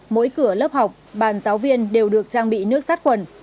mỗi cửa lớp học bàn giáo viên đều được trang bị nước sát khuẩn